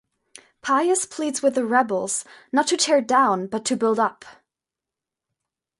Pius pleads with the "rebels" not to tear down but to build up.